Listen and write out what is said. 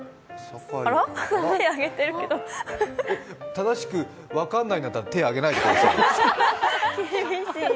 正しく分かんないんだったら、手、上げないで。